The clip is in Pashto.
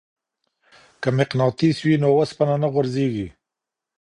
که مقناطیس وي نو وسپنه نه غورځیږي.